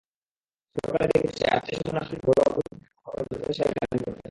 ছোটকালে দেখেছি আত্মীয়স্বজন আসলেই ঘরোয়া বৈঠকে আম্মা কোনো যন্ত্র ছাড়াই গান করতেন।